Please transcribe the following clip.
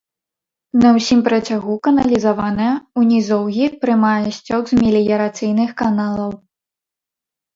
На ўсім працягу каналізаваная, у нізоўі прымае сцёк з меліярацыйных каналаў.